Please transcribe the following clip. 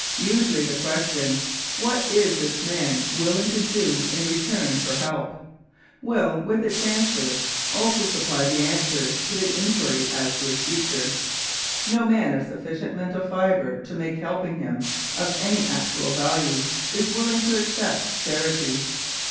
Usually the question, What is this man willing to do in return for help? will, with its answer, also supply the answer to the inquiry as to his future. No man of sufficient mental fiber to make helping him of any actual value is willing to accept charity.